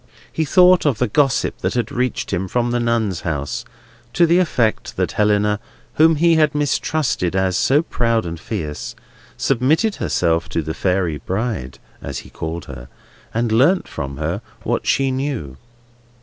He thought of the gossip that had reached him from the Nuns' House, to the effect that Helena, whom he had mistrusted as so proud and fierce, submitted herself to the fairy bride (as he called her), and learnt from her what she knew.